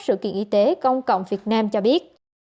sự kiện y tế công cộng việt nam cho biết